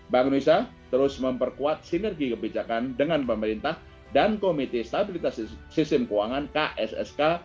bank indonesia terus memperkuat sinergi kebijakan dengan pemerintah dan komite stabilitas sistem keuangan kssk